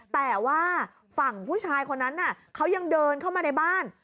แต่ว่าฝั่งผู้ชายคนนั้นเขายังเดินเข้ามาในบ้าน